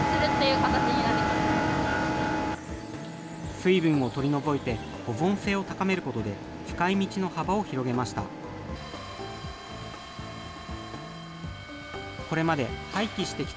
水分を取り除いて、保存性を高めることで、使いみちの幅を広げました。